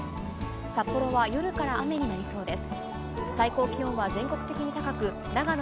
札幌は夜から雨になりそうです。